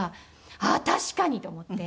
あっ確かに！と思って。